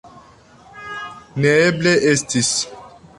Neeble estis!